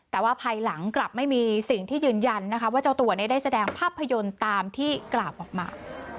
แต่ว่าภายหลังกลับไม่มีสิ่งที่ยืนยันนะคะว่าเจ้าตัวได้แสดงภาพยนตร์ตามที่กล่าวออกมา